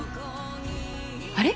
あれ？